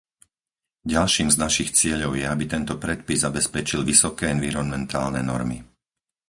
Ďalším z našich cieľov je, aby tento predpis zabezpečil vysoké environmentálne normy.